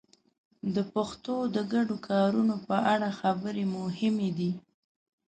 د پښتو د ګډو کارونو په اړه خبرې مهمې دي.